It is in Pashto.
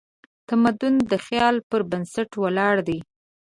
تمدن د خیال پر بنسټ ولاړ دی.